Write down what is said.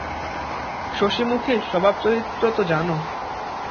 শশিমুখীর স্বভাবচরিত্র তো জান।